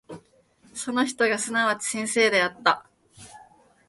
その人がすなわち先生であった。